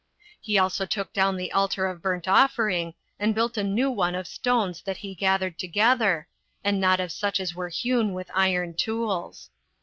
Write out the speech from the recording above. He also took down the altar [of burnt offering], and built a new one of stones that he gathered together, and not of such as were hewn with iron tools.